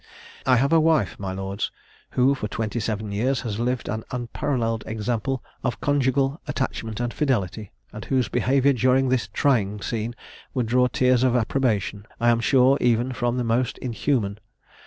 I have a wife, my lords, who, for twenty seven years, has lived an unparalleled example of conjugal attachment and fidelity, and whose behaviour during this trying scene would draw tears of approbation, I am sure, even from the most inhuman.